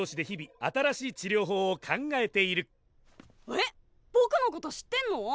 えっボクのこと知ってんの？